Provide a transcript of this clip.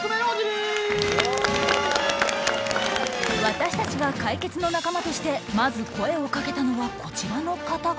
私たちが解決の仲間としてまず声をかけたのはこちらの方々。